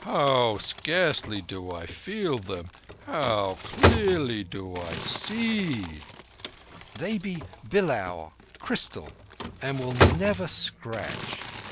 "How scarcely do I feel them! How clearly do I see!" "They be bilaur—crystal—and will never scratch.